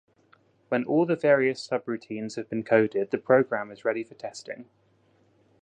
When all the various sub-routines have been coded the program is ready for testing.